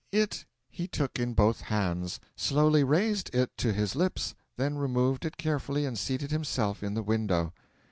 'It he took in both hands, slowly raised it to his lips, then removed it carefully, and seated himself in the window.'